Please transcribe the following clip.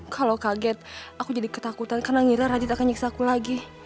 kalau kaget aku jadi ketakutan karena ngira radit akan nyiksa aku lagi